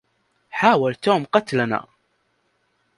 حاول توم قتلنا!